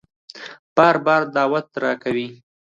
بار بار دعوت راکوي